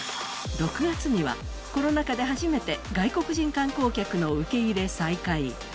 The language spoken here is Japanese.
６月には、コロナ禍で初めて外国人観光客の受け入れ再開。